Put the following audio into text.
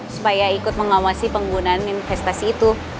supaya ikut mengawasi penggunaan investasi itu